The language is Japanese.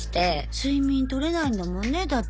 睡眠取れないんだもんねだって。